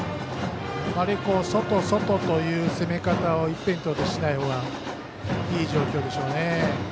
あまり外、外という攻め方を一辺倒でしないほうがいい状況でしょうね。